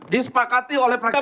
disepakati oleh fraksi pks